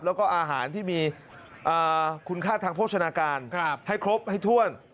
แล้วก็อาหารที่มีคุณค่าทางโภชนาการให้ครบให้ถ้วน